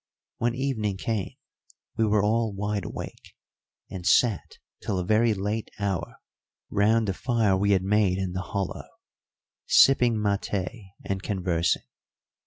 When evening came we were all wide awake, and sat till a very late hour round the fire we had made in the hollow, sipping maté and conversing.